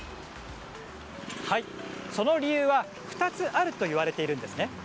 その理由は２つあるといわれているんです。